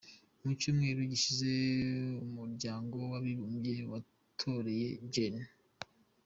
Mu cyumweru gishize, Umuryango w’Abibumbye watoreye Gen.